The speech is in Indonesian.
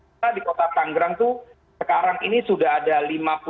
kita di kota tanggerang itu sekarang ini sudah berubah